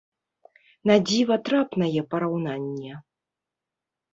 На дзіва трапнае параўнанне!